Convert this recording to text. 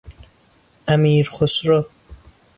امیرخسرو